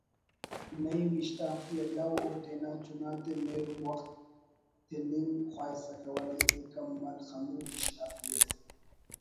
نعیم اِشتافی اَلو اوتینا چناتے مہرو وخت تننگ خواہسکہ ولے ایکان ملخموت اشتافی ئس :